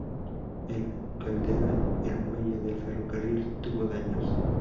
En Caldera el muelle del ferrocarril tuvo daños.